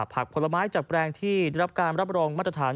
ผลไม้จากแปลงที่ได้รับการรับรองมาตรฐาน